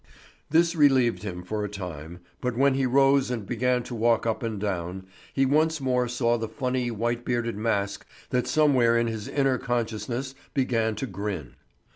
This relieved him for a time, but when he rose and began to walk up and down, he once more saw the funny, white bearded mask that somewhere in his inner consciousness began to grin.